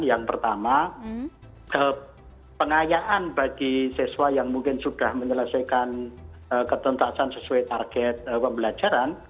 yang pertama pengayaan bagi siswa yang mungkin sudah menyelesaikan ketentasan sesuai target pembelajaran